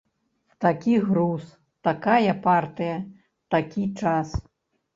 Такі груз, такая партыя, такі час!